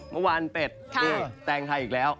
สุวรรณเป็ดแตงไทยอีกแล้ว